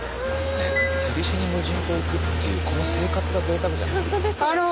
釣りしに無人島行くっていうこの生活がぜいたくじゃない？